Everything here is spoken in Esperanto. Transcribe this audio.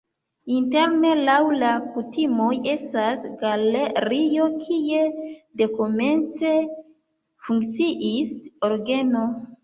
Interne laŭ la kutimoj estas galerio, kie dekomence funkciis orgeno.